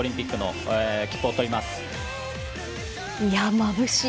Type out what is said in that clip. まぶしい！